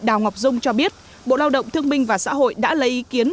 đào ngọc dung cho biết bộ lao động thương minh và xã hội đã lấy ý kiến